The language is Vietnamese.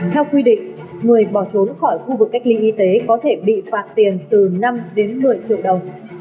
theo quy định người bỏ trốn khỏi khu vực cách ly y tế có thể bị phạt tiền từ năm đến một mươi triệu đồng